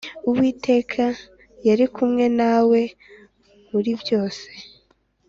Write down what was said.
Uwiteka yari kumwe na we muribyose.